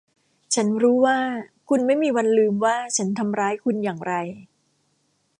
ฉันรู้ว่าคุณไม่มีวันลืมว่าฉันทำร้ายคุณอย่างไร